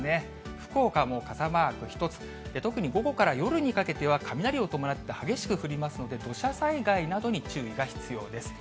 福岡も傘マーク１つ、特に午後から夜にかけては雷を伴って激しく降りますので、土砂災害などに注意が必要です。